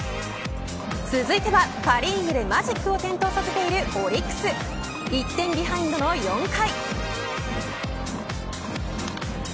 続いてはパ・リーグでマジックを点灯させているオリックス１点ビハインドの４回。